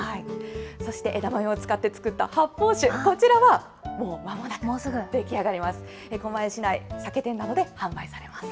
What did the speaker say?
そして枝豆を使って造った発泡酒、こちらはもうまもなく出来上がります。